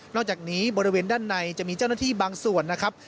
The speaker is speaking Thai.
อกจากนี้บริเวณด้านในจะมีเจ้าหน้าที่บางส่วนนะครับ